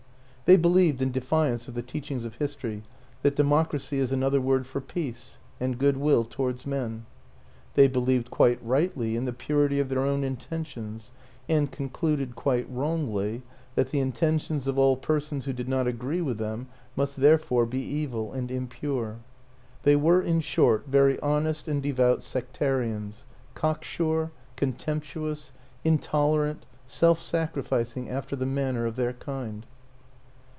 They believed, in de fiance of the teachings of history, that Democracy is another word for peace and goodwill towards men. They believed (quite rightly) in the purity of their own intentions; and concluded (quite wrongly) that the intentions of all persons who did not agree with them must therefore be evil and impure. ... They were, in short, very honest and devout sectarians cocksure, con WILLIAM AN ENGLISHMAN 25 temptuous, intolerant, self sacrificing after the manner of their kind.